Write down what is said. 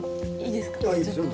いいですよ